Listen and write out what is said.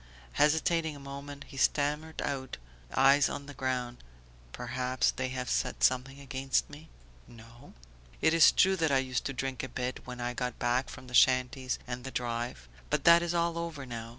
Hesitating a moment he stammered out, eyes on the ground: "Perhaps ... they have said something against me?" "No." "It is true that I used to drink a bit, when I got back from the shanties and the drive; but that is all over now.